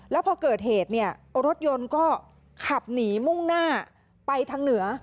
แล้วพอเกิดเหตุเนี่ยรถยนต์ก็ขับหนีมุ่งหน้าไปทางเหนือ